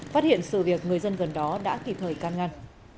phát hiện sự việc người dân gần đó đã kịp thời can ngăn